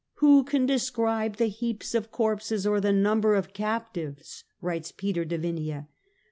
" Who can describe the heaps of corpses or the number of captives ?" writes Peter de Vinea.